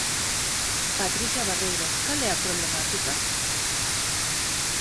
Patricia Barreiro, cal é a problemática?